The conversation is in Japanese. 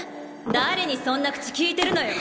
誰にそんな口きいてるのよ！